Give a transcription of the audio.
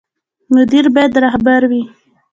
مدیر باید رهبر وي